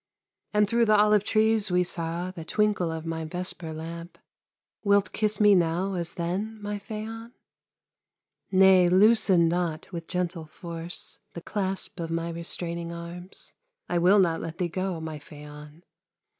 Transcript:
And through the olive trees we saw The twinkle of my vesper lamp; Wilt kiss me now as then, my Phaon? Nay, loosen not with gentle force The clasp of my restraining arms; I will not let thee go, my Phaon!